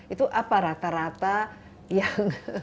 itu apa rata rata yang